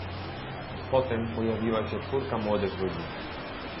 Potem pojawiła się czwórka młodych ludzi